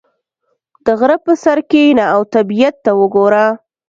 • د غره پر سر کښېنه او طبیعت ته وګوره.